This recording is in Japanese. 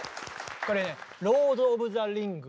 これね